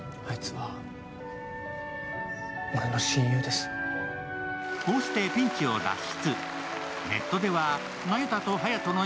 そしてこうしてピンチを脱出。